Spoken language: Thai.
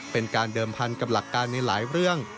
เป็นการเดิมพันกับหลักการในหลายเรื่อง